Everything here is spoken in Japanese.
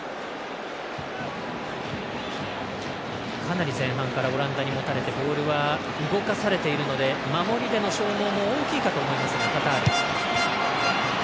かなり前半からオランダにもたれてボールは動かされているので守りでの消耗も大きいかと思います、カタール。